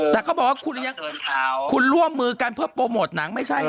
แต่เขาบอกว่าคุณร่วมมือกันเพื่อโปรโมทหนังไม่ใช่เหรอ